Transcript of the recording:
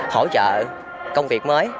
hỗ trợ công việc mới